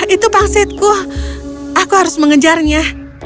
itu pangsitku aku harus mengejarnya